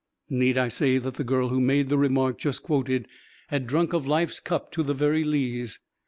Need I say that the girl who made the remark just quoted had drunk of life's cup to the very lees?